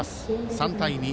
３対２。